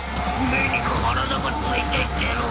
目に体がついていってる！